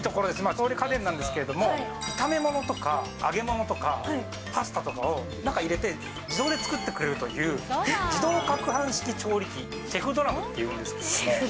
調理家電なんですけど、炒め物とか、揚げ物とか、パスタとかを、中入れて、自動で作ってくれるという、自動かくはん式調理器、シェフドラム。